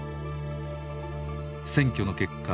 選挙の結果